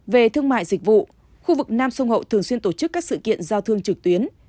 về thương mại dịch vụ khu vực nam sông hậu thường xuyên tổ chức các sự kiện giao thương trực tuyến